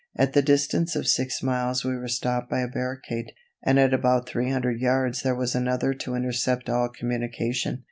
At the distance of six miles we were stopped by a barricade, and at about three hundred yards there was another to intercept all communication.